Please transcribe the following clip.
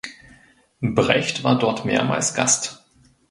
Brecht war dort mehrmals Gast.